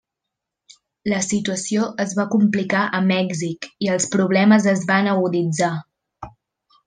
La situació es va complicar a Mèxic i els problemes es van aguditzar.